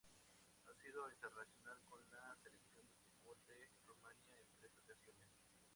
Ha sido internacional con la Selección de fútbol de Rumania en tres ocasiones.